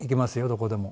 どこでも。